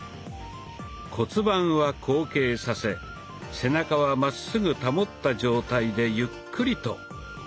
骨盤は後傾させ背中はまっすぐ保った状態でゆっくりと。